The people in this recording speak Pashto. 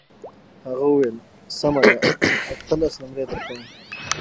هغه وویل سمه ده اتلس نمرې درکوم.